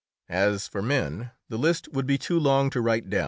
As for men, the list would be too long to write it down.